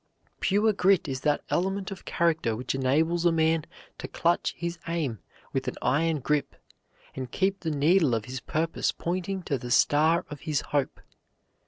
Pure grit is that element of character which enables a man to clutch his aim with an iron grip, and keep the needle of his purpose pointing to the star of his hope.